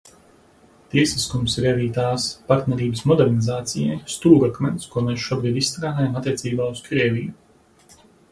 "Tiesiskums ir arī tās "Partnerības modernizācijai" stūrakmens, ko mēs šobrīd izstrādājam attiecībā uz Krieviju."